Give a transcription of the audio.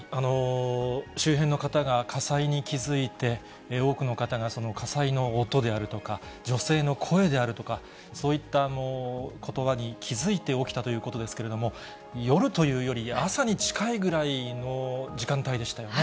周辺の方が火災に気付いて、多くの方がその火災の音であるとか、女性の声であるとか、そういったことばに気付いて起きたということですけれども、夜というより朝に近いぐらいの時間帯でしたよね。